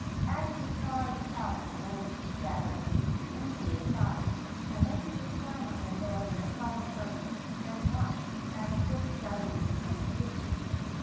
As he charged out the wolves would scatter and leap nimbly aside, then sit down on their tails in a solemn circle and watch as if studying the strange beast.